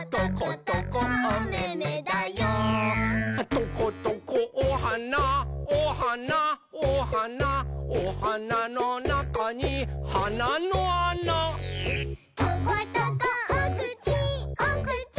「トコトコおはなおはなおはなおはなのなかにはなのあな」「トコトコおくちおくち